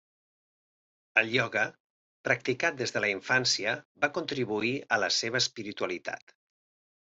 El ioga, practicat des de la infància va contribuir a la seva espiritualitat.